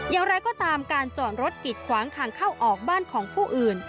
อย่างไรก็ตามการจอดรถกิดขวางทางเข้าออกบ้านของผู้อื่น